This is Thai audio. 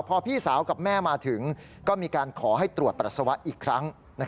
พอพี่สาวกับแม่มาถึงก็มีการขอให้ตรวจปัสสาวะอีกครั้ง